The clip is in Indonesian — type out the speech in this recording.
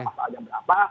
pasal ada berapa